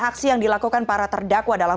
aksi yang dilakukan para terdakwa dalam